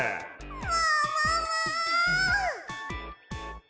ももも！